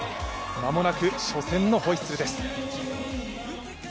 まもなく初戦のホイッスルです。